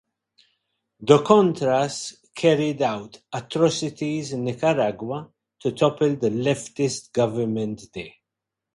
The Contras carried out atrocities in Nicaragua to topple the leftist government there.